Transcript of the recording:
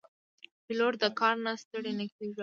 پیلوټ د کار نه ستړی نه کېږي.